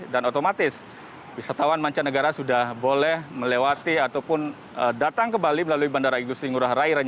dan otomatis wisatawan mancanegara sudah boleh melewati ataupun datang ke bali melalui bandara inggris ngurah rai